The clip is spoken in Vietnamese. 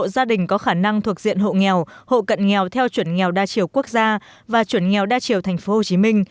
hộ gia đình có khả năng thuộc diện hộ nghèo hộ cận nghèo theo chuẩn nghèo đa chiều quốc gia và chuẩn nghèo đa chiều tp hcm